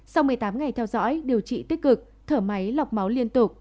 sau một mươi tám ngày theo dõi điều trị tích cực thở máy lọc máu liên tục